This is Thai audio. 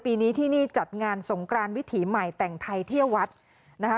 ปีนี้ที่นี่จัดงานสงกรานวิถีใหม่แต่งไทยเที่ยววัดนะคะ